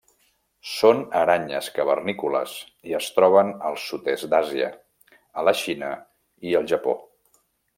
Són aranyes cavernícoles i es troben al sud-est d'Àsia, a la Xina i al Japó.